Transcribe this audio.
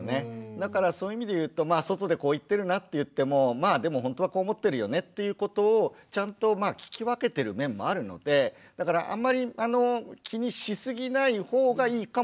だからそういう意味で言うと外でこう言ってるなっていってもまあでもほんとはこう思ってるよねっていうことをちゃんと聞き分けてる面もあるのでだからあんまり気にしすぎないほうがいいかもしれません。